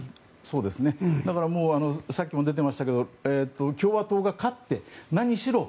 だから、さっきも出てましたけど共和党が勝って何しろ